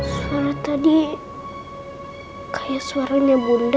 soal tadi kayak suaranya bunda